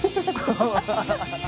ハハハハ！